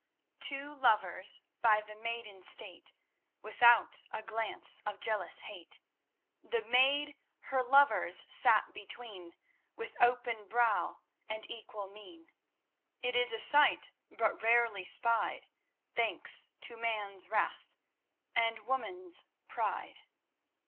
"_Two lovers by the maiden sate, Without a glance of jealous hate; The maid her lovers sat between, With open brow and equal mien;— It is a sight but rarely spied, Thanks to man's wrath and woman's pride.